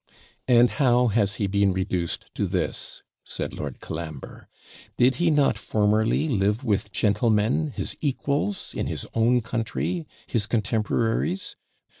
'And how has he been reduced to this?' said Lord Colambre. 'Did he not formerly live with gentlemen, his equals, in his own country; his contemporaries?